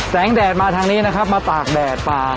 แดดมาทางนี้นะครับมาตากแดดปาก